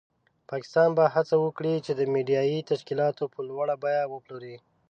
پاکستان به هڅه وکړي چې میډیایي تشکیلات په لوړه بیه وپلوري.